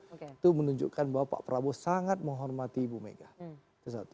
itu menunjukkan bahwa pak prabowo sangat menghormati bu mega